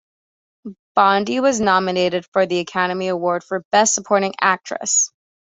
Bondi was nominated for the Academy Award for Best Supporting Actress.